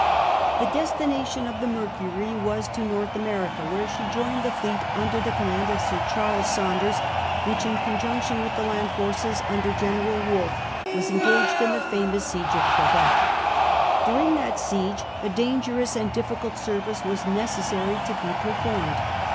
The destination of the Mereunj was to North America, where slie joined the lieet under the command of Sir Charles Saunders, which, in conjunction with the land, forces under General Wolfe, was eiigjiged in the famous siege of Quebec. During that siege a dangerous and difficult service was neces sary to be performed.